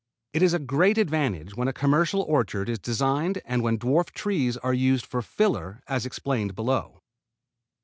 It is a great advantage when a commercial orchard is designed and when dwarf trees are used for fillers as explained below.